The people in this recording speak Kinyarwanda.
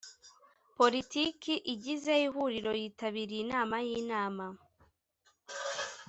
politiki igize ihuriro yitabiriye inama y inama